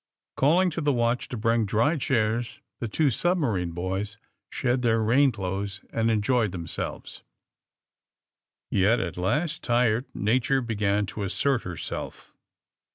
Calling to the watch to bring dry chairs the two submarine boys shed their rain clothes and enjoyed themselves. Yet, at last, tired Nature began to assert her self.